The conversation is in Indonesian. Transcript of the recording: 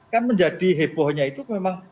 kan menjadi hebohnya itu memang